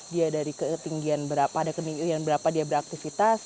dia dari ketinggian berapa ada ketinggian berapa dia beraktivitas